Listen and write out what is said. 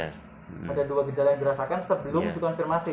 ada dua gejala yang dirasakan sebelum dikonfirmasi